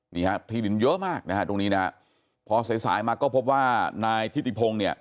ที่หยิงเยอะมากตรงนี้พอใส่มาก็พบว่านายทิติพง